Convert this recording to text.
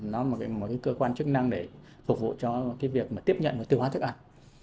nó là một cơ quan chức năng để phục vụ cho việc tiếp nhận và tiêu hóa thức ăn